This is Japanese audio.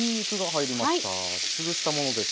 潰したものです。